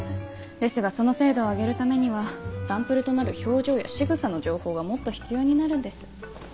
ですがその精度を上げるためにはサンプルとなる表情やしぐさの情報がもっと必要になるんです。